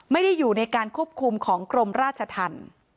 ไม่ได้อยู่ในการควบคุมของกรมราชธรรม